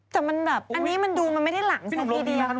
แต่มันแบบมันไม่ทำอะไรมันไม่ได้หลั่งสักที